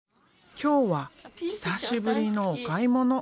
今日は久しぶりのお買い物。